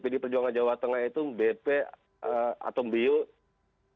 di perjuangan jawa tengah itu bp atau bio benar lah